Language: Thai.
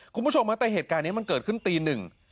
คุณผู้ชมฮะแต่เหตุการณ์นี้มันเกิดขึ้นตีหนึ่ง